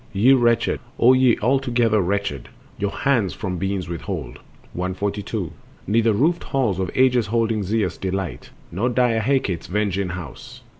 Ye wretched, O ye altogether wretched, Your hands from beans withhold! Sin. 142. Neither roofed halls of aegis holding Zeus Delight it, nor dire Hecate's venging house.